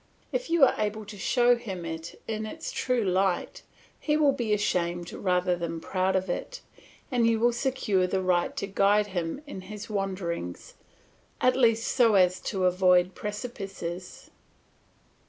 If you are able to show him it in its true light, he will be ashamed rather than proud of it, and you will secure the right to guide him in his wanderings, at least so as to avoid precipices.